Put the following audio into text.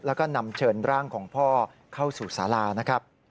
แล้วก็นำเชิญร่างของพ่อเข้าสู่สารานะครับ